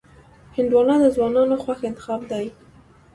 هندوانه د ځوانانو خوښ انتخاب دی.